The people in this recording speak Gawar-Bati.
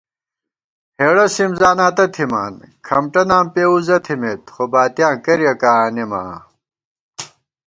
ہېڑہ سِم زاناتہ تھِمان، کھمٹہ نام پېوُزہ تھِمېت، خو باتِیاں کریَکہ آنېمہ آں